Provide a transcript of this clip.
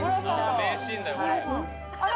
名シーンだよこれ。あら？